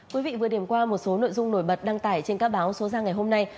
quý vị vừa điểm qua một số nội dung nổi bật đăng tải trên các báo số ra ngày hôm nay